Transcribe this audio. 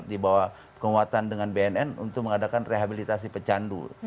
dibawah keuatan dengan bnn untuk mengadakan rehabilitasi pecandu